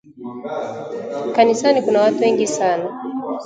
Kanisani kuna watu wengi sana